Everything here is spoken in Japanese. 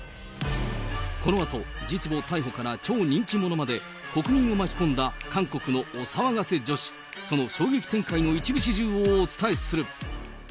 このあと、実母逮捕から超人気者まで、国民を巻き込んだ韓国のお騒がせ女子、その衝撃展開の一部始終をお伝えする。